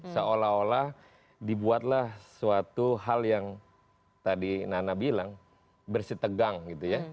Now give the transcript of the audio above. seolah olah dibuatlah suatu hal yang tadi nana bilang bersih tegang gitu ya